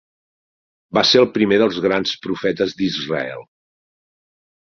Va ser el primer dels grans profetes d'Israel.